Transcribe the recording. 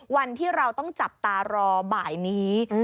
วันที่เราต้องจับตารอบ่ายนี้